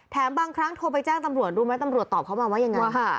แถมบางครั้งโทรไปจ้างตำรวจดูไม่ตำรวจตอบเขามาว่าอย่างนั้น